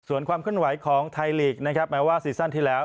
ส่วนความขึ้นไหวของไทยลีกแม้ว่าซีซั่นที่แล้ว